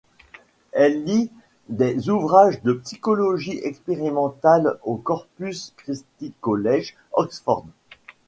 Elle lit des ouvrages de psychologie expérimentale au Corpus Christi College, Oxford.